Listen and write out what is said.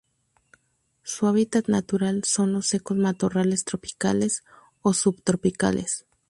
Su hábitat natural son los secos matorrales tropicales o subtropicales.